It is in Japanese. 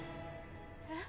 えっ。